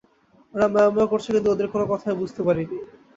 ওরা ম্যাও ম্যাও করেছে, কিন্তু ওদের কোনো কথা আমি বুঝতে পারিনি।